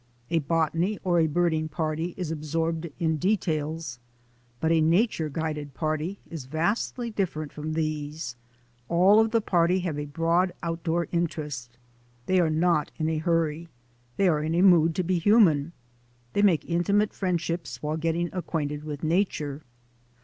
A botany or a birding party is absorbed in details. But a nature guided party is vastly different from these: all of the party have a broad outdoor inter est. They are not in a hurry, they are in a mood to be human. They make intimate friendships while getting acquainted with nature.